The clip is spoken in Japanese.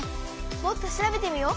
もっと調べてみよう！